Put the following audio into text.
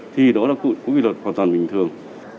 thì đó là cuộc quy luật hoàn toàn bình thường